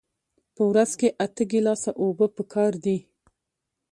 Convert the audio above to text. په ورځ کې اته ګیلاسه اوبه پکار دي